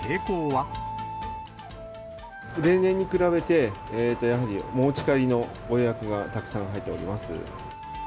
例年に比べて、やはりお持ち帰りのご予約がたくさん入っております。